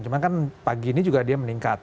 cuma kan pagi ini juga dia meningkat